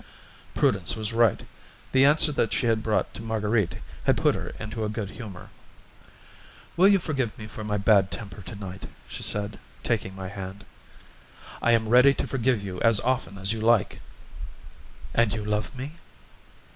Prudence was right: the answer that she had brought to Marguerite had put her into a good humour. "Will you forgive me for my bad temper tonight?" she said, taking my hand. "I am ready to forgive you as often as you like." "And you love me?"